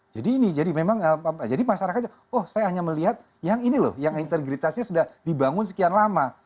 jadi ini jadi memang jadi masyarakatnya oh saya hanya melihat yang ini loh yang integritasnya sudah dibangun sekian lama